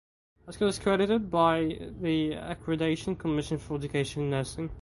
The school is credited by the Accreditation Commission for Education in Nursing.